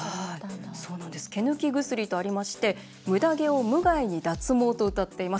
「毛ぬき薬」とありまして「ムダ毛を無害に脱毛」とうたっています。